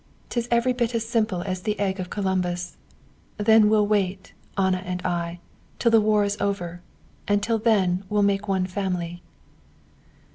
"'Tis every bit as simple as the egg of Columbus. Then we'll wait, Anna and I, till the war is over, and till then we'll make one family."